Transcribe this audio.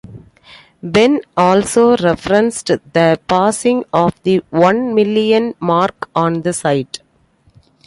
Benn also referenced the passing of the one million mark on the site.